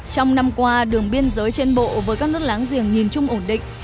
trong năm qua đường biên giới trên bộ với các nước láng giềng nhìn chung ổn định